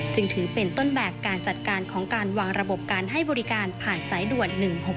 จึงถือเป็นต้นแบบการจัดการของการวางระบบการให้บริการผ่านสายด่วน๑๖๖